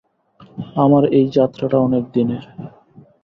আমার এই যাত্রাটা অনেকদিনের।